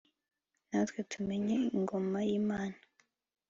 natwe, tumenye ingoma y'imana